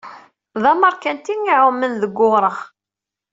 D ameṛkanti iɛummen deg ureɣ.